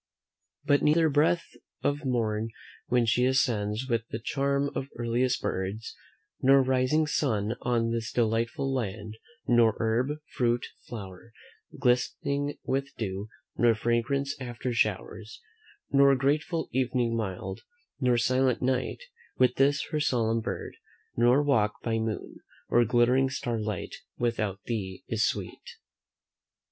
But neither breath of morn when she ascends With charm of earliest birds; nor rising sun On this delightful land; nor herb, fruit, flower, Glistering with dew; nor fragrance after showers; Nor grateful evening mild; nor silent night, With this her solemn bird, nor walk by moon, Or glittering star light, without thee is sweet."